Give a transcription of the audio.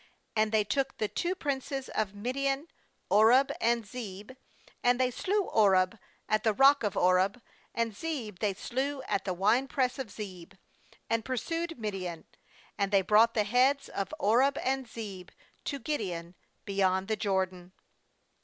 25And they took the two princes of Midian, Oreb and Zeeb; and they slew Oreb at the Rock of Oreb, and Zeeb they slew at the Winepress of ?eeb, and pursued Midian; and they brought the heads of Oreb and Zeeb to Gideon beyond the Jordan.